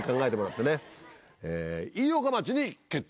飯岡町に決定。